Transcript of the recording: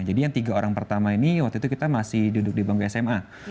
jadi yang tiga orang pertama ini waktu itu kita masih duduk di bangku sma